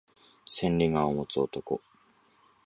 千里眼を持つ男